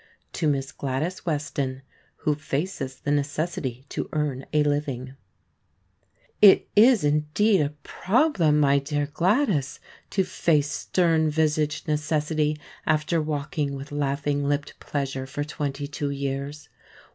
To Miss Gladys Weston Who Faces the Necessity to Earn a Living It is indeed a problem, my dear Gladys, to face stern visaged Necessity after walking with laughing lipped Pleasure for twenty two years.